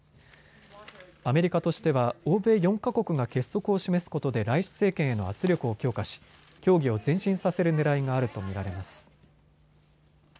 アメリカとしては欧米４か国が結束を示すことでライシ政権への圧力を強化し、協議を前進させるねらいがあると見られます。